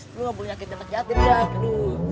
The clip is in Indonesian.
lo gak boleh nyakit nyakit yatim ya aduh